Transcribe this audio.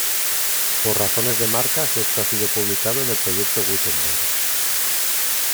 Por razones de marcas esto ha sido publicados en el Proyecto Gutenberg.